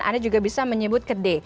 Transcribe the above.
anda juga bisa menyebut ke d